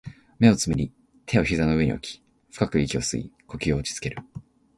目を瞑り、手を膝の上に置き、深く息を吸い、呼吸を落ち着ける